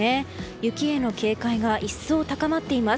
雪への警戒が一層高まっています。